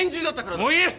もういい！